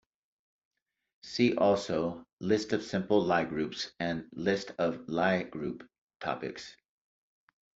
See also: List of simple Lie groups and List of Lie group topics.